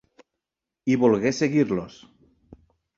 I volgué seguir-los.